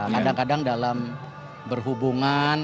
kadang kadang dalam berhubungan